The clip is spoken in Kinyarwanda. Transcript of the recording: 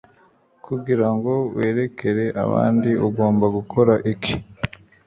kugira ngo werekere abandi ugomba gukora iki